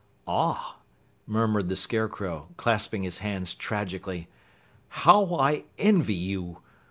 "Ah!" murmured the Scarecrow, clasping his hands tragically, "How I envy you.